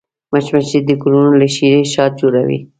مچمچۍ د ګلونو له شيرې شات جوړوي